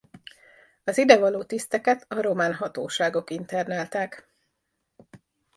Az idevaló tiszteket a román hatóságok internálták.